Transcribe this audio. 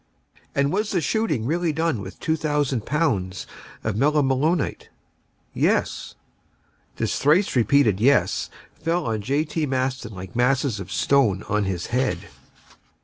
"And was the shooting really done with 2,000 pounds of melimelonite?" "Yes." This thrice repeated "yes" fell on J. T. Maston like masses of stone on his head.